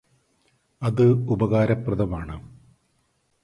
അത് ഉപകാരപ്രദമാണ്